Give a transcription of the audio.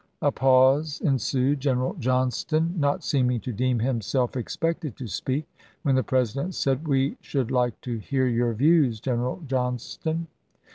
A pause ensued, General Johnston not seeming to deem himself expected to speak, when the President said, aWe should like to hear your views, General Johnston."